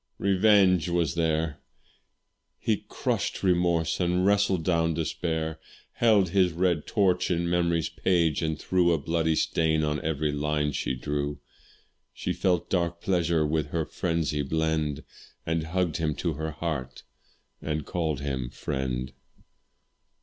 Revenge! was there; He crushed remorse and wrestled down despair: Held his red torch to memory's page, and threw A bloody stain on every line she drew; She felt dark pleasure with her frenzy blend, And hugged him to her heart, and called him friend.